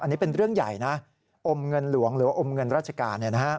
อันนี้เป็นเรื่องใหญ่นะอมเงินหลวงหรือว่าอมเงินราชการ